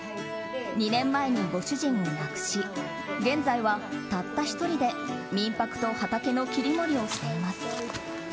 ２年前にご主人を亡くし現在は、たった１人で民泊と畑の切り盛りをしています。